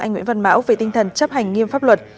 anh nguyễn văn mão về tinh thần chấp hành nghiêm pháp luật